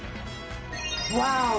ワオ！